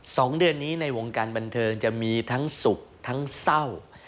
สองเดือนนี้ในวงการบันเทิงจะมีทั้งสุขทั้งเศร้า